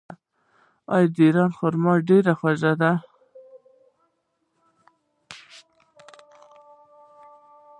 آیا د ایران خرما ډیره خوږه نه ده؟